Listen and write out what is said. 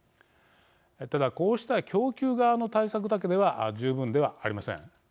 ただ、こうした供給側の対策だけでは十分ではありません。